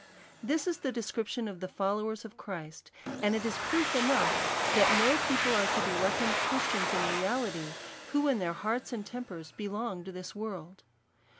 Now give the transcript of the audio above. This is the description of the followers of Christ; and it is proof enough that no people are to be reckoned Christians in reality, who in their hearts and tempers belong to this world.